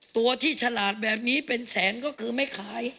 ตัวที่ฉลาดแบบนี้เป็นแสนก็คือไม่ขาย